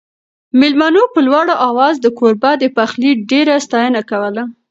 مېلمنو په لوړ اواز د کوربه د پخلي ډېره ستاینه کوله.